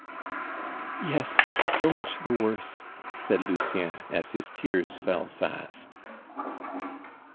"Yes; so much the worse," said Lucien, as his tears fell fast.